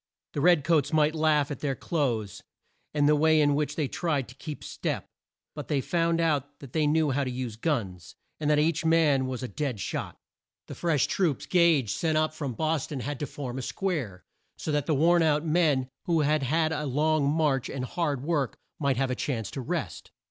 The red coats might laugh at their clothes, and the way in which they tried to keep step, but they found out that they knew how to use guns, and that each man was a dead shot. The fresh troops Gage sent up from Bos ton had to form a square, so that the worn out men who had had a long march and hard work might have a chance to rest.